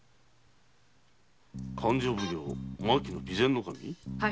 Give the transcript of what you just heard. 勘定奉行・牧野備前守？